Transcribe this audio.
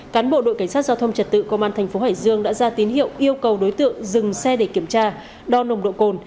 cán bộ đội cảnh sát giao thông trật tự công an tp hải dương đã ra tín hiệu yêu cầu đối tượng dừng xe để kiểm tra đo nồng độ cồn